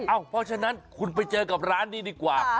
เพราะฉะนั้นคุณไปเจอกับร้านนี้ดีกว่า